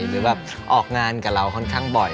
หรือแบบออกงานกับเราค่อนข้างบ่อย